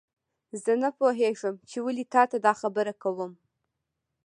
زه نه پوهیږم چې ولې تا ته دا خبره کوم